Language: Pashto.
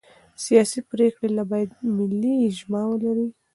سیاسي پرېکړې باید ملي اجماع ولري